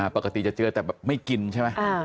ปกติจะเจอแต่แบบไม่กินใช่ไหม